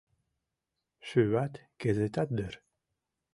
шӱват кызытат дыр